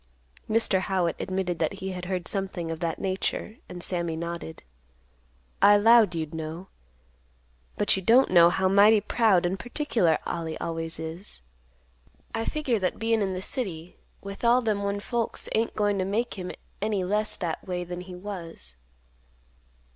Mr. Howitt admitted that he had heard something of that nature; and Sammy nodded, "I 'lowed you'd know. But you don't know how mighty proud and particular Ollie always is. I figure that bein' in the city with all them one folks ain't goin' to make him any less that way than he was.